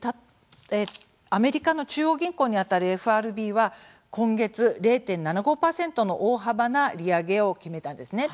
アメリカの中央銀行にあたるＦＲＢは、今月０．７５％の大幅な利上げを決めたんですね。